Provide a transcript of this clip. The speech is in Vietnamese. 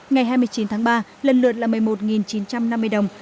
ngày hai mươi chín tháng ba lần lượt là một mươi một chín trăm năm mươi đồng